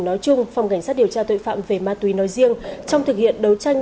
nói chung phòng cảnh sát điều tra tội phạm về ma túy nói riêng trong thực hiện đấu tranh